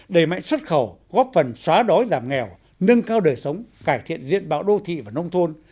đẩy mạnh xuất khẩu góp phần xóa đói giảm nghèo nâng cao đời sống cải thiện diện báo đô thị và nông thôn